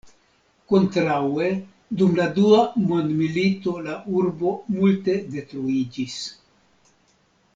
Kontraŭe dum la dua mondmilito la urbo multe detruiĝis.